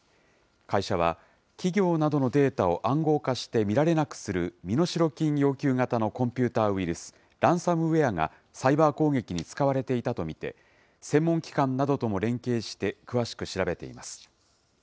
会社は、企業などのデータを暗号化して見られなくする身代金要求型のコンピューターウイルス、ランサムウエアがサイバー攻撃に使われていたと見て、専門機関などとも連携して、詳しく調べています。